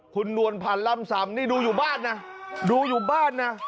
คุณนวลพันธ์ล่ำซำนี่ดูอยู่บ้านนะดูอยู่บ้านนะ